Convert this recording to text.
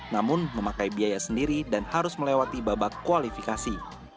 namun memakai biaya sendiri dan harus melewati babak kualifikasi